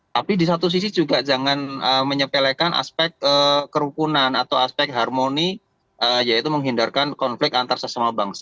tapi di satu sisi juga jangan menyepelekan aspek kerukunan atau aspek harmoni yaitu menghindarkan konflik antar sesama bangsa